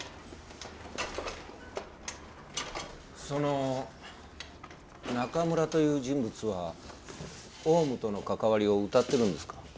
その中村という人物はオウムとの関わりをうたってるんですか？